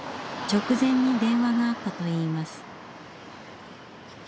直前に電話があったといいます。